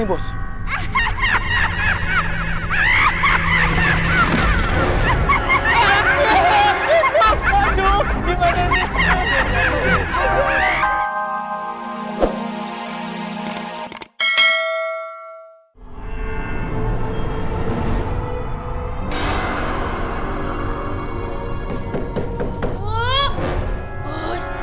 aduh gimana ini